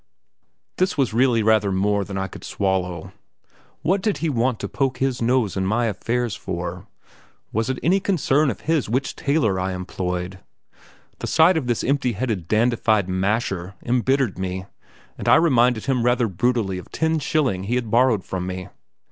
This was really rather more than I could swallow. What did he want to poke his nose in my affairs for? Was it any concern of his which tailor I employed? The sight of this empty headed dandified "masher" embittered me, and I reminded him rather brutally of ten shilling he had borrowed from me.